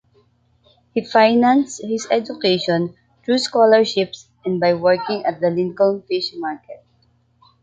He financed his education through scholarships and by working at the Lincoln Fish Market.